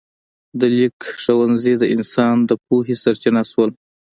د لیک ښوونځي د انسان د پوهې سرچینه شول.